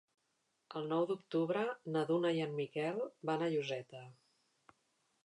El nou d'octubre na Duna i en Miquel van a Lloseta.